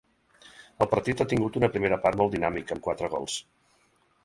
El partit ha tingut una primera part molt dinàmica amb quatre gols.